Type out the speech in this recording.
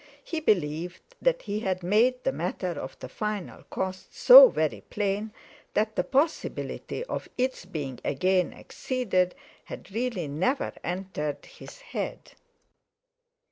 He believed that he had made the matter of the final cost so very plain that the possibility of its being again exceeded had really never entered his head.